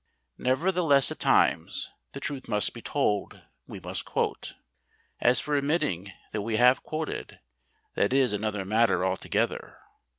Nevertheless at times the truth must be told we must quote. As for admitting that we have quoted, that is another matter altogether.